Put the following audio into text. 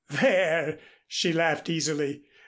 "There!" she laughed easily.